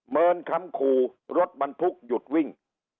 เมินคำขู่รถบรรทุกหยุดวิ่ง